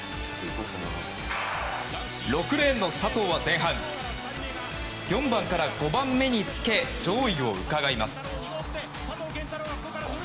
６レーンの佐藤は前半４番から５番目につけ上位をうかがいます。